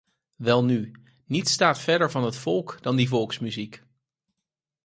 Welnu, niets staat verder van het volk dan die volksmuziek.